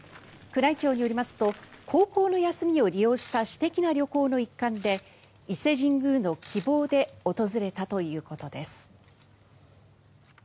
宮内庁によりますと高校の休みを利用した私的な旅行の一環で伊勢神宮の希望で訪れたということです。